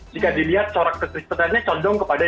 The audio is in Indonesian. jika dilihat corak kekristenannya condong kepada